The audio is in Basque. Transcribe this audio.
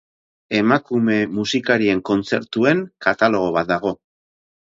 Emakume musikarien kontzertuen katalogo bat dago.